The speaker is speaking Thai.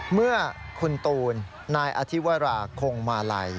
เมื่อคุณตูนนายอธิวราคงมาลัย